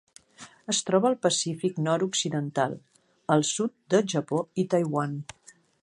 Es troba al Pacífic nord-occidental: el sud del Japó i Taiwan.